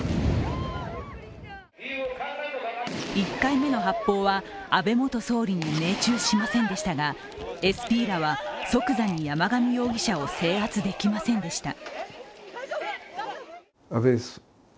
１回目の発砲は、安倍元総理に命中しませんでしたが、ＳＰらは即座に山上容疑者を制圧できませんでした。